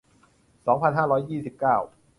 สองพันห้าร้อยยี่สิบเก้า